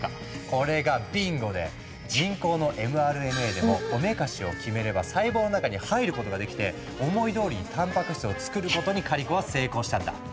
これがビンゴで人工のｍＲＮＡでもおめかしをキメれば細胞の中に入ることができて思いどおりにたんぱく質をつくることにカリコは成功したんだ。